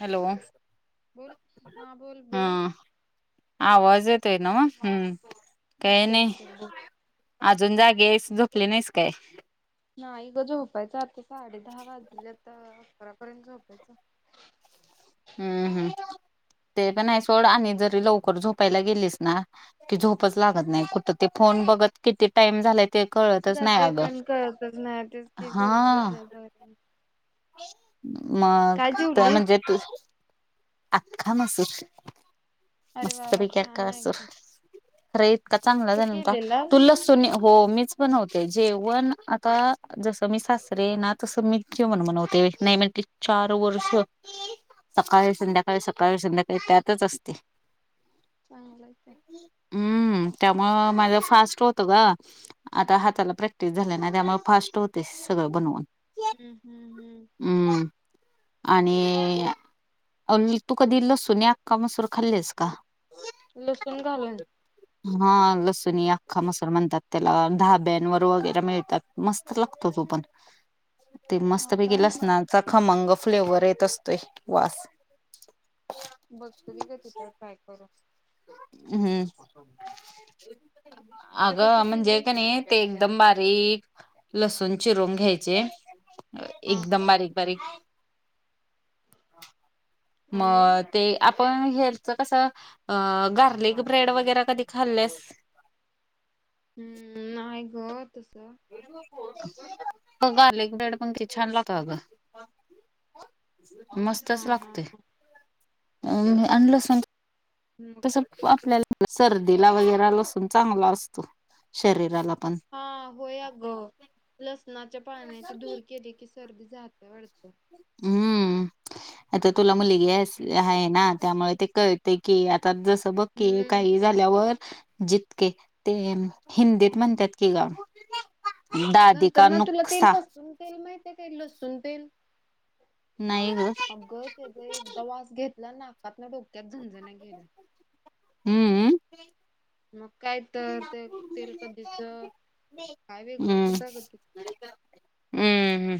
Hello, बोल, हा बोल- हा बोल. आवाज येतोय नावं? हम्म काही येतोय नाही. येतोय बोल. अजून जागी हायेस, झोपली नाहीस काय? नाही गं झोपायचं आता साडे दहा वाजल्यात, अकरापर्यंत झोपायचं. हम्म -हम्, ते पण आहे सोडं आणि जरी लवकर झोपायला गेलीस ना की झोपच लागत नाही, कुठं ते फोन बघत किती टाईम झालायं जाते पण कळतचं नाही, तेच की हा बोलंत बसल्या वर. मग काय तर जेवलीस? म्हणजे तू, आख्खा मसूर अरे मस्त वा वा पैकी अख्खा छान आहे मसूर, की खरं इतका चांगला तू झाला व्हुता केलेलास तु लस हो मीच बनवते जेवण आता जसं मी सासरे ना तसं मी जेवण बनवते नाही म्हणत चार वर्ष सकाळी संध्याकाळी, सकाळ, संध्याकाळी त्यातचं असते. चांगलं हाय की. हम्म, त्यामुळं माझं फास्ट होतं ग. आता हाताला प्रॅक्टिस झाल्या ना त्यामुळे फास्ट होते सगळं बनवून. हम्म, हम्म -हम्म. हम्म, आणि आणि तू कधी लसुनी आख्खा मसूर खाल्लीस का? लसूण घालून? [inaudible] हा लसुणी अख्खा मसूर म्हणतात त्याला धाब्यानवर वगैरे मिळतात, मस्त लागतो तो पण. [inaudible] ते हा मस्त पैकी काय लसनाचा खमंग फ्लेवर येत असतोय वास. बघतो की कधी तर ट्राय करून. हम्म, तू कसं आगं म्हणजे केलीस? कणी ते एकदम बारीक लसूण चिरून घ्यायचे हा हा एकदम बारीक- बारीक म आणि ते आपण हेच कसं अं गार्लिक ब्रेड वगैरे कधी खाल्लेस? हम्म, नाही गं तसं म पण गार्लिक ब्रेड पण किती छान लागतो आगं मस्तच हा लागतोय, हा आण लसून मग बघतो तसं की आपल्याला सर्दीला वगैर लसून चांगला असतो, शरीराला पण. हा होय, आग लसणाच्या पाण्याची धूर केली की सर्दी जात्या वाटतं. हम्म, आता तुला मुलगी हायेस, हाये ना त्यामुळे ते कळते की आ अन् जसं बघ कीे हम्म काही झाल्यावर जितके ते हिंदीत म्हणतात की गं नंतर मग तुला तेल पासूण तेल माहितीये का तेल लसून तेल? नाई गं. अगं तेजं एकदा वास घेतला नाकातनं डोक्यात झनझन्या गेल्या. हूम्म्म. मग कायतर ते तेल कधीचं, काय वेगळचं हम्म हुतं अगं ते हम्म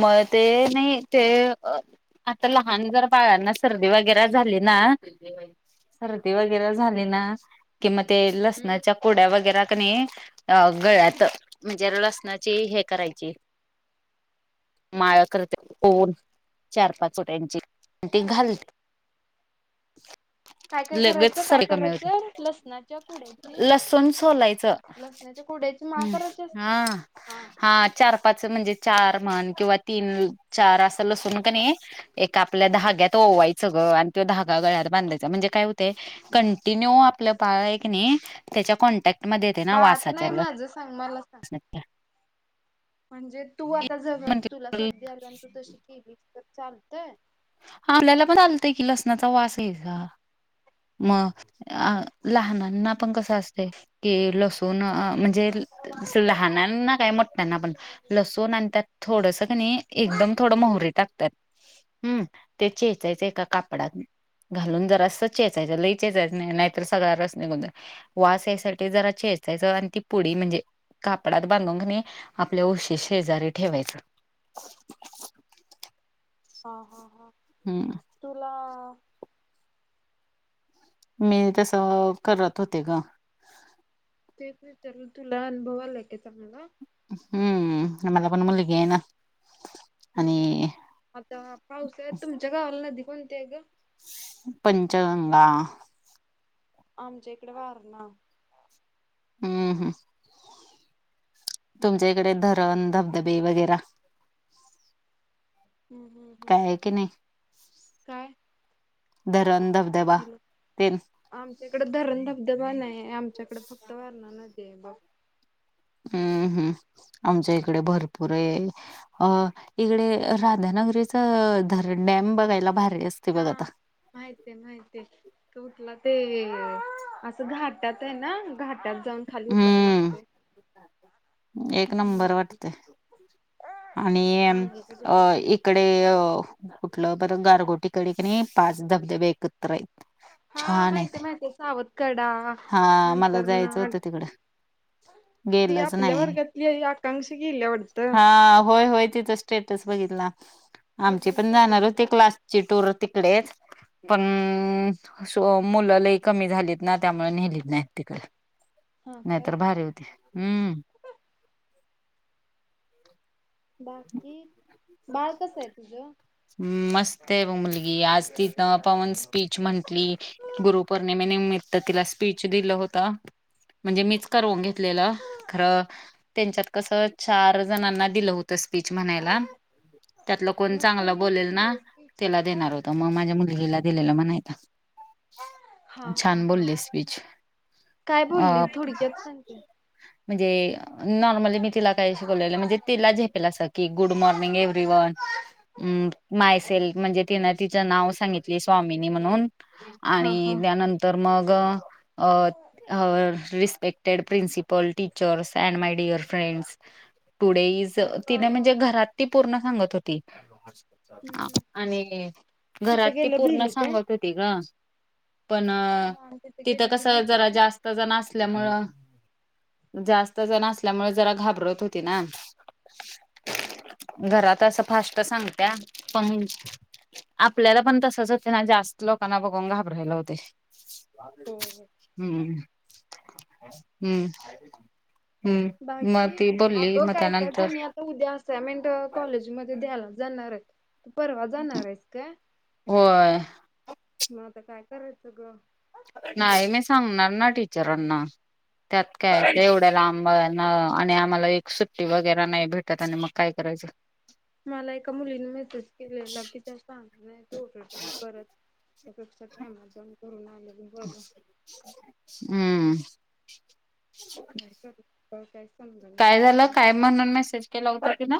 मं ते नई ते, अं. आता लहान जर बाळांना, सर्दी वगैरे झाली ना सर्दी वगैरे झाली ना, की म ते हम्म. लसणाच्या कुड्या वगैर क नई अं गळ्यात, म्हणजे लसणाची हे करायची माळ करते, ओऊन, चार पाच चोट्यांची ती घाल काय काय [inaudible] लगेच करायचं काय सर्दी कमी होते, करायचं लसणाच्या लसूण सोलायचं लसण्याच्या कुड्याची माळ करायची हा असत्या? हा. चार पाच म्हणजे चार म्हण किंवा तीन चार असा लसूण कं नई एक आपल्या धाग्यात ओवायचं गं, आणि तो धगा गळ्यात बांधायचा म्हणजे काय होतंय कंटिन्यू आपलं बाळ है क नई, त्याच्या कॉन्टॅक्ट मध्ये येतय ना भावाचं वासाच्या नाही माझं सांग मला सांग. लसणाच्या म्हणजे तू आता जवा तुला सर्दी आली आणि तू तशी केली तर चालतंय? हा आपल्याला पण चालतंय कि लसणाचा वास येईल का? मग अं लहानांना पण कसं असतंय कि लसूण म्हणजे लहानांना काय मोठ्यांना पण लसूण आण त्यात थोडसं कणी एकदम थोडं मोहरी टाकत्यात, हम्म ते चेचायचं एका कापडात घालून जरासं चेचायचं, लय चेचायचं नाय नायतर सगळा रस निघून जाईल. वास यायसारखं जरा चेचायचं, आण ती पुडी म्हणजे कापडात बांधून कं नई, आपल्या उशी शेजारी ठेवायचं. हा हा हा. हुम्म्म. तुला मिळेल तसं करत होते गं तेच विचारलं, तुला अनुभव आलाय काय चांगला? हम्म, आम्हाला पण मुलगी ए ना. हूं हूं, आणि आता पावसाळ्यात तुमच्या गावाला नदी कोणती ए गं? पंचगंगा. आमच्या ईकडं वारणा. हूं हू. तुमच्या ईकडे धरण धबधबे वगैरा? हू हू. काय हाय की नई? काय? धरण, धबधबा तेन आमच्याकडं धरण धबधबा नाहीये, आमच्याकडं फक्त वारणा नदीये बघ. हम्म हू, आमच्या इकडे भरपूरये. अं इकडे, राधानगरीचंं धरण, डॅम बघायला भारी अस हा. माहितीये माहितीये, कुठला ते असं घाटात ए ना घाटात? जाऊन खाली उतराय लागतय. हम्म एक नंबर हम्म. वाटते आणि चांगलं आहे ग अ तिथं. इकडे कुठलं बर गारगोटीकडे कि नाही पाच धबधबे एकत्र आहेत. हा छान आहेत माहितय माहितय सावतकडा हा मला नंतर जायचं ना होतं तिकडं. ती गेलच आपल्या नाही, वर्गातली आकांक्षा गेल्या वाटतं हा होय होय तिथच. स्टेटस बघितला मी आमची पण जाणार स्टेटसच होती बघितलं क्लासची टूर होती. पण अस मुलं लई कमी झालीत ना त्यामुळे नेलीत नाही तिकड, हा नाहीतर काय भारी होते हम्म. बाकी बाळ कस आहे तुझं? मस्त आहे बघ मुलगी आज तिथं पवन स्पीच म्हंटली गुरुपौर्णिमेनिमित्त तिला स्पीच दिल होत. म्हणजे मीच करवून घेतलेलं खरं त्यांच्यात कस चार जणांना दिलं होत स्पीच म्हणायला त्यातलं कोण मग मला पुर्णीला बोलेल पण ना दिलं स्पीच त्याला तिचा देणार होत, मग माझ्या मुलगीला दिलेलं म्हणायला. हा हा छान हा बोललीस स्पीच काय बोलली अ थोडक्यात सांगते म्हणजे नॉर्मली मी तिला काही शिकवलेलं म्हणजे तिला झेपेल अस. कि good morning everyone. Um myself म्हणजे तिनं तिच नाव सांगितली स्वामिनी म्हणून हा हा आणि त्यानंतर मग अ respect principal teachers and my dear friends today is अरे वा तिने वा म्हणजे वा घरात ती पूर्ण सांगत होती. हम्म हम्म आणि घरात तिथं ती गेलं पूर्ण भिली काय सांगत होती ग पण हा तिथे तिथं गेल्यावर कस भिली जरा काय जास्त जण असल्यामुळं जास्त जण असल्यामुळे जरा घाबरत होती ना. घरात असं फास्ट सांगत्या पण आपल्याला पण तसच होते ना जास्त लोकांना बघून घाबरायला होते. हो हो हम्म हम्म हम्म मग बाकी ती बोलली अगं मता काय काय त्यानंतर जणी आता उद्या असाइनमेंट कॉलेज मध्ये द्यायला जाणार आहे. तू परवा जाणारं आहेस काय? होय म आता काय करायचं ग? नाही मी सांगणार ना टीचरांना. त्यात काय एवढ्या लांब आणि आम्हाला एक सुट्टी वगैरे नाही भेटत आणि मग काय करायचं. [unintelligible] मला एका मुलीने मेसेज केलेला की त्या सांग नाही ओरडतील परत त्यापेक्षा, [inaudible] जाऊन करून आलेल हम्म काय करू, काय समजालं काय झालं काय म्हणून मेसेज केला होता कि नाय.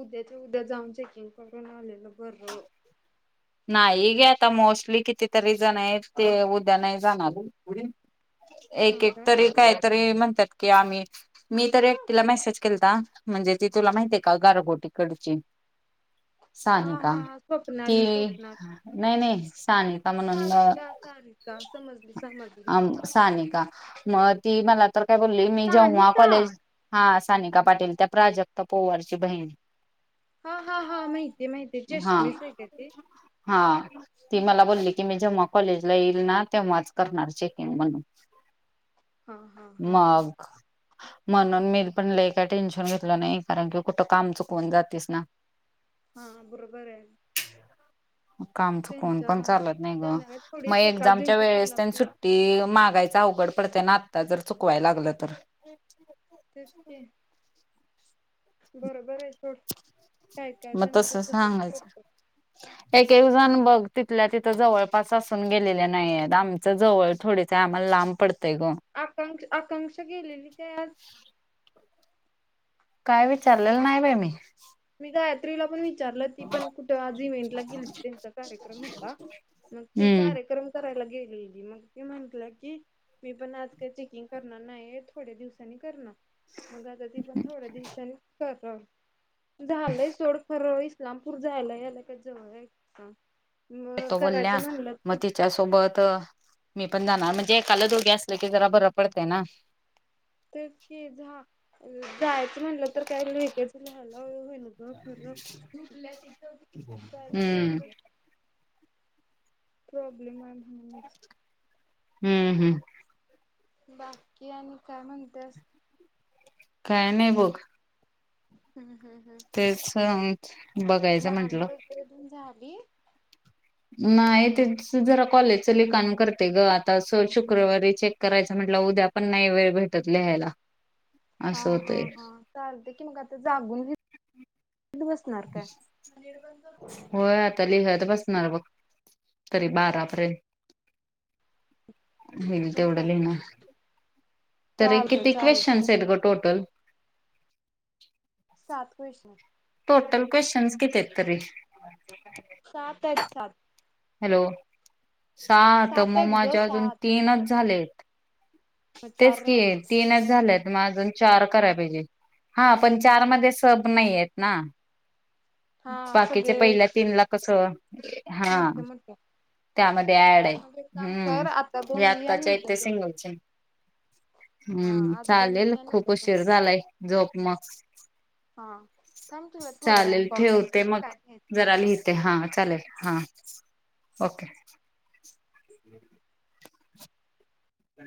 उद्याच उद्या जाऊन चेकिंग करून आलेलं बरं. [unintelligible] नाही घे आता मोस्टली कितीतरी जण ते उद्या नाही जाणार. हा एक एक काय? तरी काहीतरी म्हणतात की आम्ही मी तर एकटिला मेसेज केलता म्हणजे ती तुला माहितीे का? गारगोटीकडची. हा हा सानिका, हा ती स्वप्नाली नाही नाही सानी सारीका सारीका समजली समजली. आम सानिका मग ती मला तर काय बोलली मी जेव्हा सानिका कॉलेज हा सानिका पाटील त्या प्राजक्ता पोवारची बहीण हा हा हा माहितीय माहितीय हा चष्मीश आहे काय ते हा ती मला बोलली की मी जेव्हा कॉलेजला येईल ना तेव्हाच करणार चेकिंग म्हणून हा हा हा हा मग म्हणून मी पण ल काय टेन्शन घेतलं नाही कारण की कुठं काम चुकवून जातेस ना हा बरोबर आहे काम चुकन त्यांच्या पण चालत नाही ग त्यांना काय मग थोडीच एकाच एक्झाम च्या दिवशी वेळेस त्यांना ते पण सुट ती मागायच अवघड पडतय ना आत्ता जर चुकवायला लागलं तर तेच की बरोबर आहे सोड काय काय जण आता तसच करत ह [unintelligible] एक एक जण बघ तिथल्या तिथं जवळपास असून गेलेल्या नाही आहेत आमच जवळ थोडीच आहे आम्हाला लांब पडतेय गो आकांक्ष आकांक्षा गेलेली ते आज काय विचारलेलं नाही बा मी मी गायत्रीला पण विचारलं ती पण कुठं आज इव्हेंटला गिलती तिथं कार्यक्रम होता मग ती हम्म कार्यक्रम करायला गेलेली मग ती म्हंटलं की मी पण आज काय चेकिंग करणार नाही थोड्या दिवसांनी करणार मग आता ती पण थोड्या दिवसाांनी कर झालंय सोड फर इस्लामपूर जायला याला का जवळ आहे का मग करायचं म्हणलं त्यासोबत मी पण जाणार म्हणजे एकाला दोघी असलं की जरा बरं पडतंय ना तेच की जा जायचं म्हणटलं तर काय लगेच लहाला होई न का खर तू [inaudible] हम्म प्रॉब्लेम आहे म्हणच हम्म हम् बाकी आणि काय म्हणतेस काय नाही बघ हम् हम् हम् तेच बघायचं भांडी म्हंटलं. वगैरे धुऊन झाली नाही ते जरा कॉलेजच लिखाण करते ग आता शुक्रवारी चेक करायच म्हटलं उद्या पण नाही वेळ भेटत लिहायला हा असं हा होतंय हा चालते की मग आता जागून लिहीत बसणार काय ह निर्बंध होय आता लिहत बसणार बघ तरी बारापर्यंत होईल तेवढं काय लिहिणार तरी चालतंय किती चालतंय क्वेश्चन्स आहेत ग टोटल सात क्वेशन्स टोटल क्वेश्चन्स किती आहेत तरी सात आहेत सात हॅलो सात तर मग आहेत ग माझ्या अजून सात तीनच झालेत मग तेच चार की राहिलेत तीनच झालंत मग अजून चार कराय पाहिजे. हा पण चार मध्ये सब नाही आहेत ना. हा बाकीच्या पहिल्या तीन ला कस मोठ मोठ्या त्यामध्ये ऍड आहे हम्म आता नी दोन लिही आणि आत्ताच्या आहेत उद्या ते दोन लिही सिंगल सिंगल. हा हम्म आज दोन चालेल लिही आणि खूप उद्या दोन उशीर झालाय, झोप मग हा थांब तुला थोड्यावेळाने चालेल प ठेवते मग, जरा लिहिते हा चालेल हा ओके. हम्